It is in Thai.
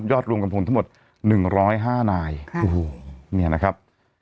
ยอดรวมกันผลทั้งหมดหนึ่งร้อยห้านายครับโอ้โหเนี่ยนะครับ